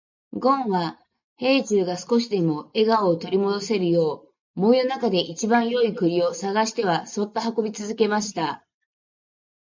ごんは兵十が少しでも笑顔を取り戻せるよう、森の中で一番よい栗を探してはそっと運び続けました。